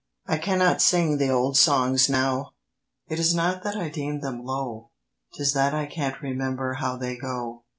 I cannot sing the old songs now! It is not that I deem them low; 'Tis that I can't remember how They go.